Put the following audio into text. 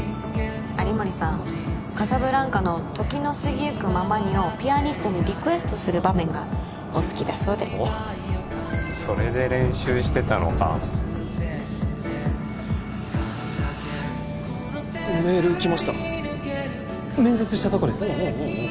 有森さん「カサブランカ」の「時の過ぎゆくままに」をピアニストにリクエストする場面がお好きだそうでそれで練習してたのかメールきました面接したとこですおっ！